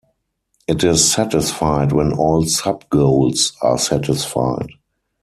It is satisfied when all sub-goals are satisfied.